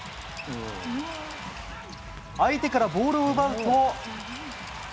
相手からボールを奪うと。